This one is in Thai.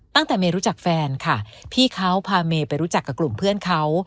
เมย์รู้จักแฟนค่ะพี่เขาพาเมย์ไปรู้จักกับกลุ่มเพื่อนเขา